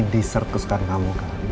ini dessert kesukaan kamu kak